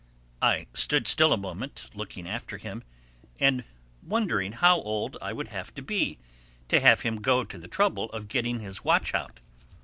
I stood still a moment looking after him and wondering how old I would have to be, to have him go to the trouble of getting his watch out.